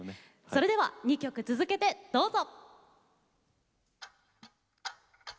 それでは２曲続けてどうぞ！